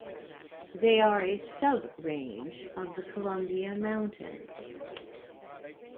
They are a sub-range of the Columbia Mountains.